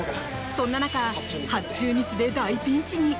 そんな中発注ミスで大ピンチに！